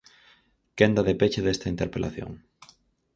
Quenda de peche desta interpelación.